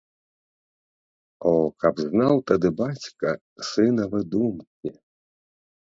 О, каб знаў тады бацька сынавы думкі!